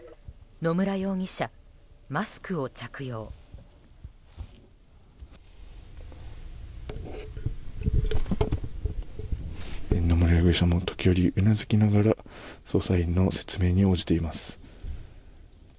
野村容疑者も時折うなずきながら捜査員の説明に応じています。